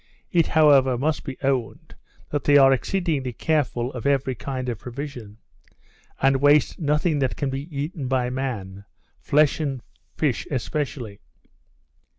It however must be owned, that they are exceedingly careful of every kind of provision, and waste nothing that can be eaten by man; flesh and fish especially.